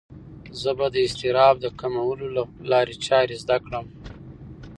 زه به د اضطراب د کمولو لارې چارې زده کړم.